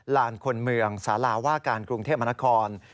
ลานคนเมืองสาราว่าการกรุงเทพมนคร